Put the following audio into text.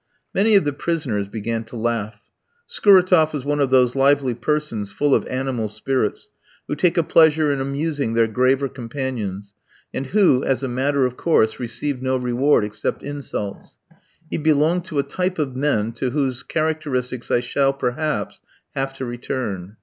Many of the prisoners began to laugh. Scuratoff was one of those lively persons, full of animal spirits, who take a pleasure in amusing their graver companions, and who, as a matter of course, received no reward except insults. He belonged to a type of men, to whose characteristics I shall, perhaps, have to return.